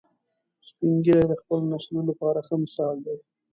سپین ږیری د خپلو نسلونو لپاره ښه مثال دي